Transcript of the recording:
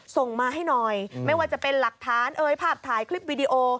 ส่งมาให้หน่อยไม่ว่าจะเป็นหลักฐานเอ่ยภาพถ่ายคลิปวิดีโอ